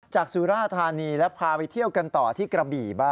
สุราธานีและพาไปเที่ยวกันต่อที่กระบี่บ้าง